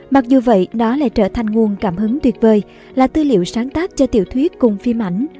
mặc dù vậy nó lại trở thành nguồn cảm hứng tuyệt vời là tư liệu sáng tác cho tiểu thuyết cùng phim ảnh